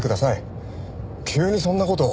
急にそんな事。